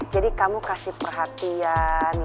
jadi kamu kasih perhatiannya